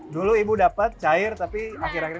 dulu ibu dapat cair tapi akhir akhir ini enggak